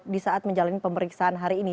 di saat menjalani pemeriksaan hari ini